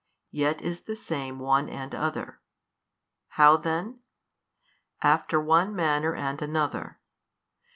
Yet is the Same one and other; how then? After one manner and another.